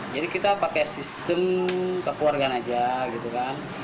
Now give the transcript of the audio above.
jadi kita pakai sistem kekeluargaan aja gitu kan